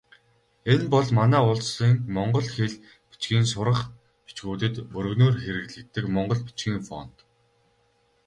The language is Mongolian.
Энэ бол манай улсын монгол хэл, бичгийн сурах бичгүүдэд өргөнөөр хэрэглэдэг монгол бичгийн фонт.